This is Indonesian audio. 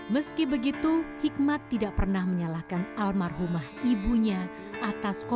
meski begitu hikmat tidak pernah menyalahkan almarhumah ibunya